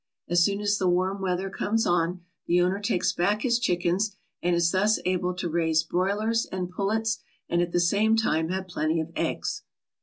As soon as the warm weather comes on, the owner takes back his chickens and is thus able to raise broilers and pullets and at the same time have plenty of eggs.